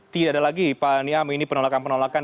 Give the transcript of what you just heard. tidak ada lagi pak niam ini penolakan penolakan